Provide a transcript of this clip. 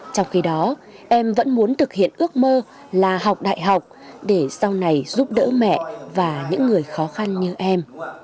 trong khi đó em vẫn muốn thực hiện ước mơ là học đại học để sau này giúp đỡ mẹ và những người khó khăn như em